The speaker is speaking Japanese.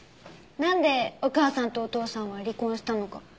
なんでお母さんとお父さんは離婚したのか？